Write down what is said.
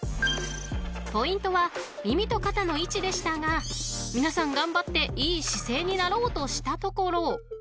［ポイントは耳と肩の位置でしたが皆さん頑張っていい姿勢になろうとしたところ］